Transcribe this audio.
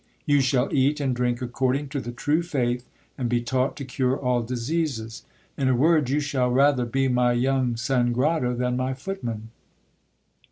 You shall eat and drink according to the true faith, and be taught to cure all diseases. In a word, you shall rather be my young Sangrado than my footman.